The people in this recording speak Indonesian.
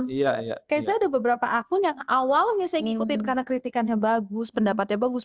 kayaknya saya ada beberapa akun yang awalnya saya ngikutin karena kritikannya bagus pendapatnya bagus